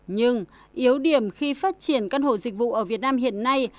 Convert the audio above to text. nhưng yếu điểm khi phát triển căn hộ dịch vụ ở việt nam hiện nay